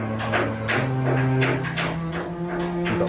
yang penting pekerjaannya seperti itu